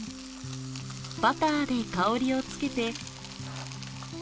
バターで香りをつけて。